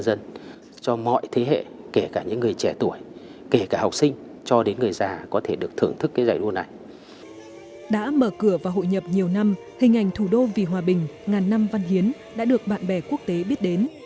đã mở cửa và hội nhập nhiều năm hình ảnh thủ đô vì hòa bình ngàn năm văn hiến đã được bạn bè quốc tế biết đến